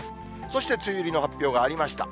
そして梅雨入りの発表がありました。